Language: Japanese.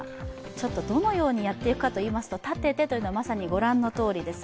どのようにやっていくかといいますと、立ててというのはまさにご覧のとおりです。